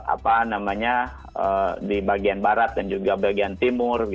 apa namanya di bagian barat dan juga bagian timur